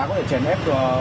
có thể chén ép